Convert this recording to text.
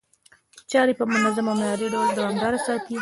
چاري په منظم او معياري ډول دوامداره ساتي،